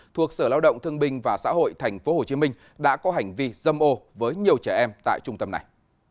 thuộc sở lao động thương binh và xã hội tp hcm đã có hành vi dâm ô với nhiều trẻ em tại trung tâm này